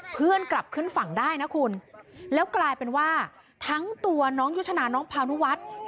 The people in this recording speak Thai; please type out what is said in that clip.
เพื่อนกลับขึ้นฝั่งได้นะคุณแล้วกลายเป็นว่าทั้งตัวน้องยุทธนาน้องพานุวัฒน์